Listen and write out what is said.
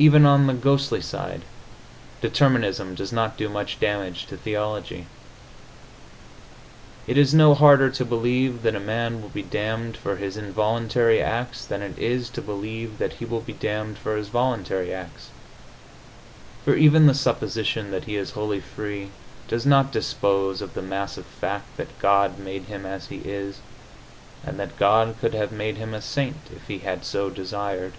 Even on the ghostly side, determinism does not do much damage to theology. It is no harder to believe that a man will be damned for his involuntary acts than it is to believe that he will be damned for his voluntary acts, for even the supposition that he is wholly free does not dispose of the massive fact that God made him as he is, and that God could have made him a saint if He had so desired.